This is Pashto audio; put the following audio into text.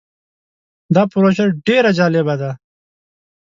دا پروژه ډیر جالبه ده.